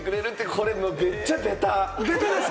これめっちゃベタ。